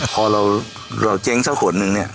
พอเราเจ้งเจ้าขน๑เนี่ย